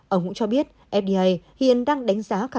ông cũng cho biết fda hiện đang đánh giá